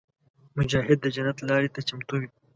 مجاهد د جنت لارې ته چمتو وي.